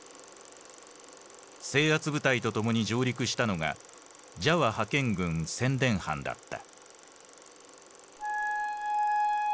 制圧部隊と共に上陸したのがジャワ派遣軍宣伝班だった。